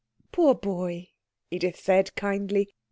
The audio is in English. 'Poor boy!' Edith said kindly.